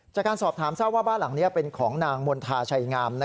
จากการสอบถามทราบว่าบ้านหลังนี้เป็นของนางมณฑาชัยงาม